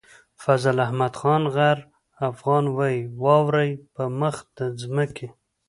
فضل احمد خان غر افغان وايي واورئ په مخ د ځمکې.